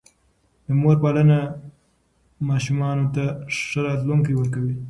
د مور پالنه ماشومانو ته ښه راتلونکی ورکوي.